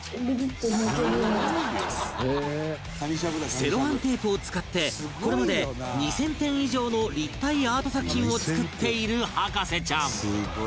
セロハンテープを使ってこれまで２０００点以上の立体アート作品を作っている博士ちゃん